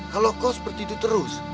kalau kau seperti itu terus